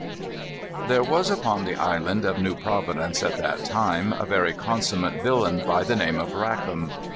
There was upon the island of New Providence, at that time, a very consummate villain by the name of Rackam.